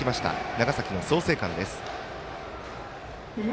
長崎の創成館です。